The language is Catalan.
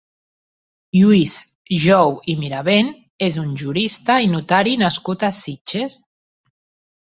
Lluís Jou i Mirabent és un jurista i notari nascut a Sitges.